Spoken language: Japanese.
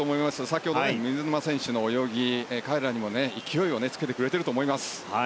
先ほど、水沼選手の泳ぎ彼らにも勢いをつけてくれていると思います。